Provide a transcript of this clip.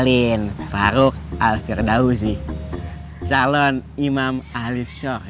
alin faruk al firdawu sih calon imam alisyur